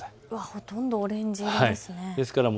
ほとんどオレンジ色ですね。